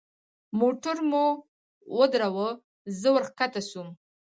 موټر مو ودراوه زه ورکښته سوم.